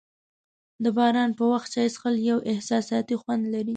د باران په وخت چای څښل یو احساساتي خوند لري.